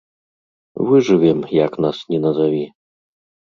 Выжывем, як нас ні назаві.